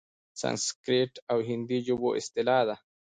سنسکریت او هندي ژبو اصطلاح ده؛